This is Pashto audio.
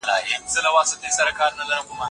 خپل ژوند به په خپلواک فکر سره پر مخ وړئ.